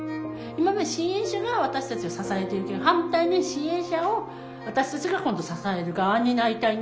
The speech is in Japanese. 今まで支援者が私たちを支えているけど反対に支援者を私たちが今度支える側になりたいな。